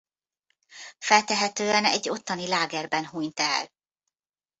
Feltehetően egy ottani lágerben hunyt el.